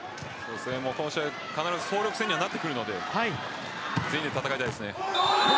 この試合総力戦になってくるので全員で戦いたいです。